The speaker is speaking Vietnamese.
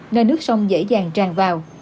nơi nước sông dễ dàng tràn vào